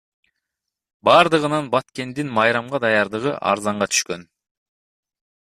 Бардыгынан Баткендин майрамга даярдыгы арзанга түшкөн.